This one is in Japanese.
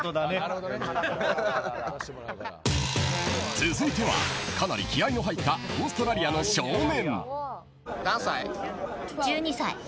続いてはかなり気合いの入ったオーストラリアの少年。